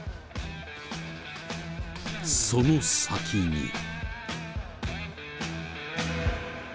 その先に。